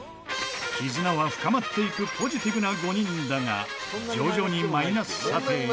絆は深まっていくポジティブな５人だが徐々にマイナス査定に。